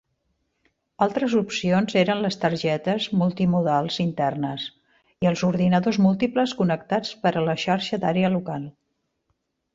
Altres opcions eren les targetes multimodals internes i els ordinadors múltiples connectats per la xarxa d'àrea local.